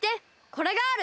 これがある。